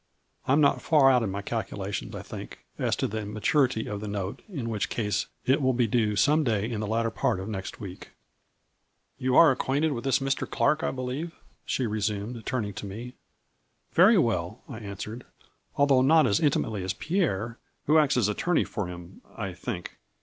I am not far out in my calculation, I think, as to the ma turity of the note, in which case it will be due some day in the latter part of next week." " You are acquainted with this Mr. Clark, I believe ?" she resumed, turning to me. " Very well," I answered, " although not as intimately as Pierre, who acts as attorney for him, I think.